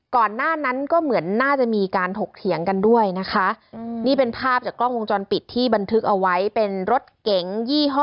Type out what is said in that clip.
ก่อนหน้านั้นก็เหมือนน่าจะมีการถกเถียงกันด้วยนะคะนี่เป็นภาพจากกล้องวงจรปิดที่บันทึกเอาไว้เป็นรถเก๋งยี่ห้อ